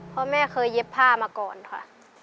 เพราะแม่เคยเย็บผ้ามาก่อนค่ะ